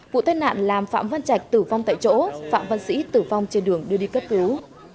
vụ tai nạn làm phạm văn trạch tử vong tại chỗ phạm văn sĩ tử vong trên đường đưa đi cấp cứu